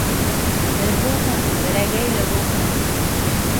Бер булһын, берәгәйле булһын.